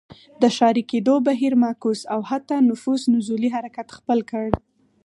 د ښاري کېدو بهیر معکوس او حتی نفوس نزولي حرکت خپل کړ.